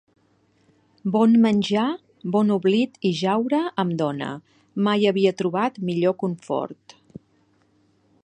Bon menjar, bon oblit i jaure amb dona: mai havia trobat millor conhort.